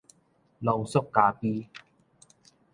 濃縮咖啡